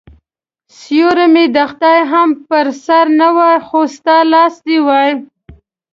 سیوری مې د خدای هم په سر نه وای خو ستا لاس دي وای